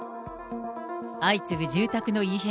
相次ぐ住宅の異変。